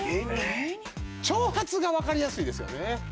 長髪がわかりやすいですよね。